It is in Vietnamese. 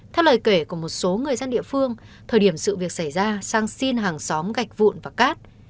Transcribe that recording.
theo lời kể của một số người dân địa phương thời điểm sự việc xảy ra sang xin hàng xóm gạch vụn và cát